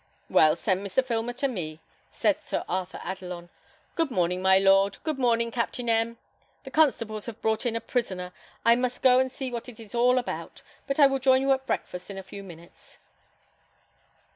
"Well, send Mr. Filmer to me," said Sir Arthur Adelon. "Good morning, my lord; good morning, Captain M . The constables have brought in a prisoner; I must go and see what it is all about; but I will join you at breakfast in a few minutes."